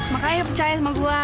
makanya percaya sama gue